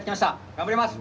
頑張ります。